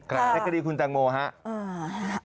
ค่ะและก็ดีคุณจังโมฮะอืม